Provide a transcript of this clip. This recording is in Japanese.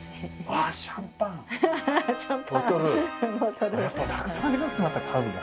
やっぱたくさんありますねまた数が。